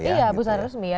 iya busana resmi ya